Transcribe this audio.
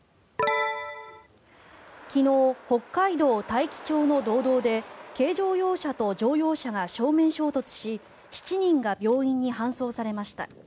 昨日、北海道大樹町の道道で軽乗用車と乗用車が正面衝突し７人が病院に搬送されました。